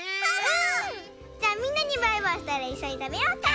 じゃあみんなにバイバイしたらいっしょにたべようか！